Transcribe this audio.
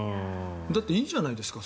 だっていいじゃないですか